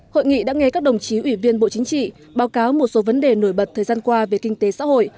hội nghị đã nghe các đồng chí ủy viên bộ chính trị báo cáo một số vấn đề nổi bật thời gian qua về kinh tế xã hội